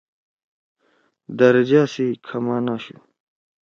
درجہ سی کھمان آشُو۔